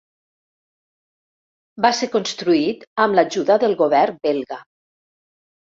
Va ser construït amb l'ajuda del govern belga.